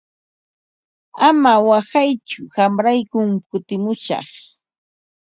Ama waqaytsu qamraykum kutimushaq.